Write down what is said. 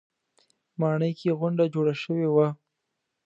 ماڼۍ کې غونډه جوړه شوې وه.